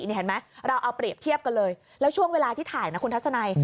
นี่เห็นไหมเราเอาเปรียบเทียบกันเลยแล้วช่วงเวลาที่ถ่ายนะคุณทัศนัย